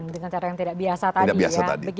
dengan cara yang tidak biasa tadi ya